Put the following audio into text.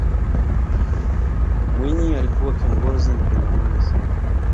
mwinyi alikuwa kiongozi mpenda amani sana